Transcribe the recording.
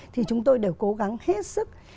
thì chúng tôi đều cố gắng hết sức